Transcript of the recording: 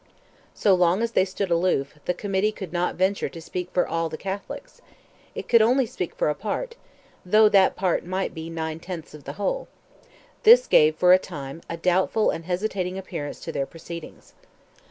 So long as they stood aloof, the committee could not venture to speak for all the Catholics; it could only speak for a part, though that part might be nine tenths of the whole: this gave for a time a doubtful and hesitating appearance to their proceedings.